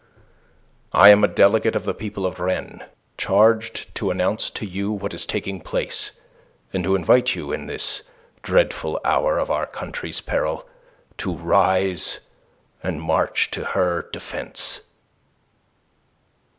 "I am a delegate of the people of Rennes, charged to announce to you what is taking place, and to invite you in this dreadful hour of our country's peril to rise and march to her defence."